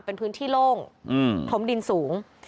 เป็นพื้นที่โล่งถมดินสูง